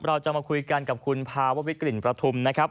เราจะมาคุยกันกับคุณภาววิกลิ่นประทุมนะครับ